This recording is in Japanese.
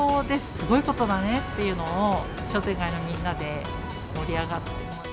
すごいことだねっていうのを、商店街のみんなで盛り上がった。